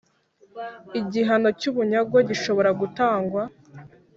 Igihano cy ubunyagwe gishobora gutangwa